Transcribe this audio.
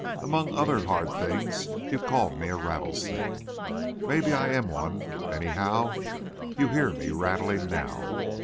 Among other hard things, you called me a rattlesnake. Maybe I am one—anyhow, you hear me rattling now.